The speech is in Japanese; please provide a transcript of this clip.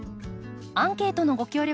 アンケートのご協力